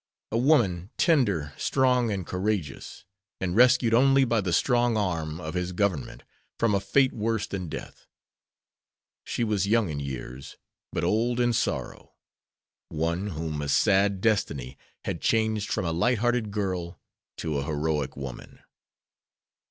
A woman, tender, strong, and courageous, and rescued only by the strong arm of his Government from a fate worse than death. She was young in years, but old in sorrow; one whom a sad destiny had changed from a light hearted girl to a heroic woman.